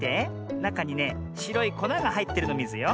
なかにねしろいこながはいってるのミズよ。